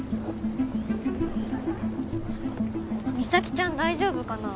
ちゃん大丈夫かな？